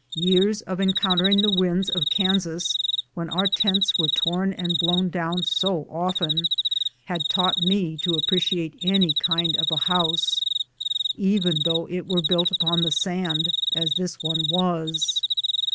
Years of encountering the winds of Kansas, when our tents were torn and blown down so often, had taught me to appreciate any kind of a house, even though it were built upon the sand as this one was.